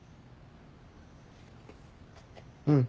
うん。